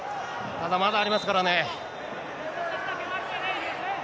まだまだありますからね。